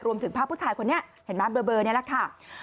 ภาพผู้ชายคนนี้เห็นไหมเบอร์นี้แหละค่ะ